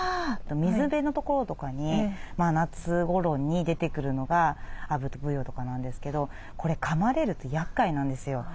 水辺の所とかに夏ごろに出てくるのがアブとブヨとかなんですけどこれかまれるとやっかいなんですよ。